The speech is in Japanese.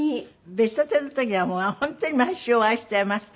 『ベストテン』の時には本当に毎週お会いしてましたよね。